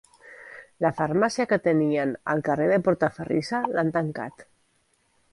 La farmàcia que tenien al carrer de Portaferrissa l'han tancat.